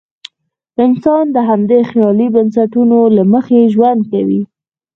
انسان د همدې خیالي بنسټونو له مخې ژوند کوي.